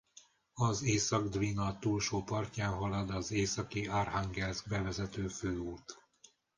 Az Északi-Dvina túlsó partján halad az északi Arhangelszkbe vezető főút.